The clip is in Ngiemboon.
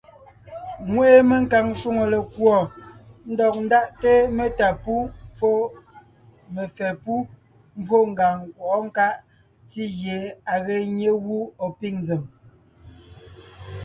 Ŋweʼe menkàŋ shwòŋo lekùɔ ndɔg ndáʼte metá pú pɔ́ mefɛ́ pú mbwó ngàŋ nkwɔʼɔ́ nkáʼ ntí gie à ge nyé gú ɔ̀ pîŋ nzèm.